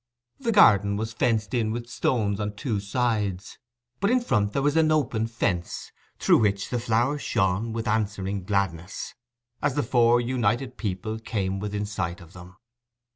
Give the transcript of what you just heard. The garden was fenced with stones on two sides, but in front there was an open fence, through which the flowers shone with answering gladness, as the four united people came within sight of them.